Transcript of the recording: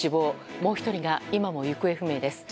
もう１人が今も行方不明です。